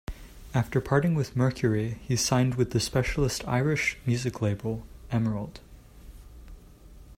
After parting with Mercury, he signed with the specialist Irish music label "Emerald".